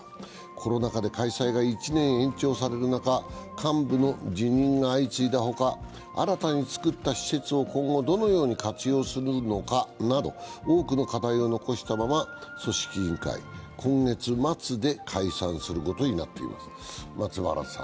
コロナ禍で開催が１年延長される中幹部の辞任が相次いだほか、新たに作った施設を今後どのように活用するのかなど、多くの課題を残したまま、組織委員会、今月末で解散することになっています。